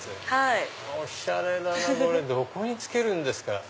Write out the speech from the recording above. おしゃれだなぁこれどこに付けるんですか？